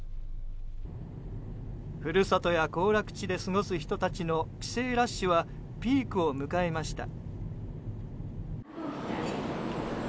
故郷や行楽地で過ごす人たちの帰省ラッシュはピークを迎えました。